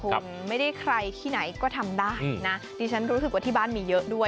คุณไม่ได้ใครที่ไหนก็ทำได้นะดิฉันรู้สึกว่าที่บ้านมีเยอะด้วย